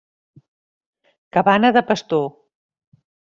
Cabana de pastor.